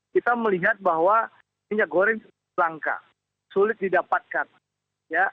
kita melihat bahwa minyak goreng langka sulit didapatkan ya